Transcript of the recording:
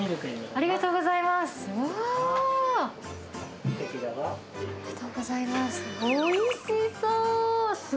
ありがとうございます。